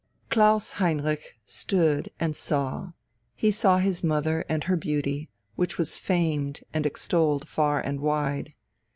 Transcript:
Klaus Heinrich stood and saw he saw his mother and her beauty, which was famed and extolled far and wide.